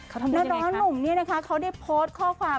แล้วน้องหนุ่มนี่นะคะเขาได้โพสต์ข้อความ